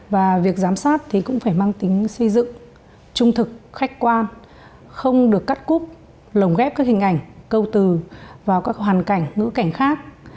và việc giám sát thì cũng phải mang tính xây dựng trung thực khách quan không được cắt cúp lồng ghép các hình ảnh câu từ vào các hoàn cảnh ngữ cảnh khác